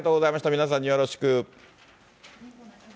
皆さんによろしく。